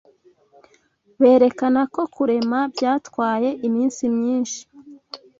berekana ko kurema byatwaye iminsi myinshi